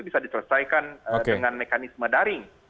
bisa diselesaikan dengan mekanisme daring